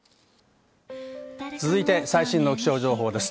続いて最新の気象情報です。